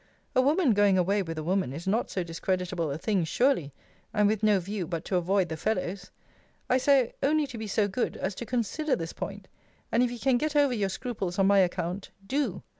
A woman going away with a woman is not so discreditable a thing, surely! and with no view, but to avoid the fellows! I say, only to be so good, as to consider this point; and if you can get over your scruples on my account, do.